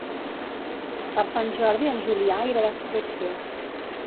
Per Sant Jordi en Julià irà d'excursió.